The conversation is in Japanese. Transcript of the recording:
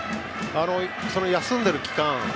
休んでいる期間